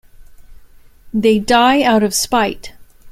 They die out of spite.